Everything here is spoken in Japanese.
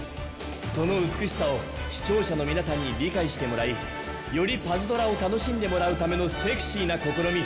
その美しさを視聴者の皆さんに理解してもらいよりパズドラを楽しんでもらうためのセクシーな試み